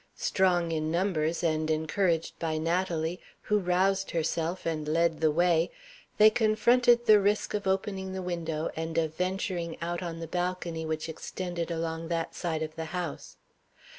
Strong in numbers, and encouraged by Natalie who roused herself and led the way they confronted the risk of opening the window and of venturing out on the balcony which extended along that side of the house.